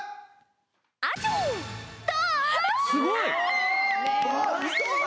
すごい！わ！